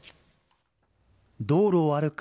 道路を歩く